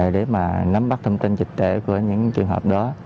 để mà nắm bắt thông tin dịch tễ của những trường hợp đó